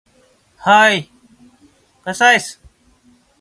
दमयंती अरण्यपर्व नळदमयंतीची कथा ही महाभारताच्या प्रसिद्ध उपकथांमध्ये एक आहे.